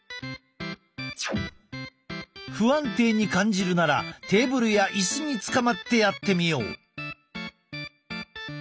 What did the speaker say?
不安定に感じるならテーブルやイスにつかまってやってみよう！